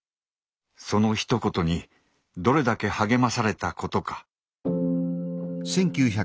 そのひと言にどれだけ励まされたことか。